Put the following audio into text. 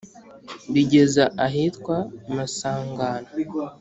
bigeza ahitwa masangano